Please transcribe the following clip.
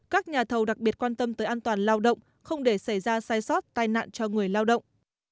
các nhà thầu đặc biệt quan tâm tới an toàn lao động không để xảy ra sai sót tai nạn cho người lao động